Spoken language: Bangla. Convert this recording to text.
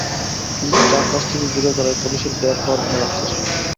কিন্তু চারপাশ থেকে ঘিরে ধরায় পুলিশের বের হওয়ার কোনো রাস্তা ছিল না।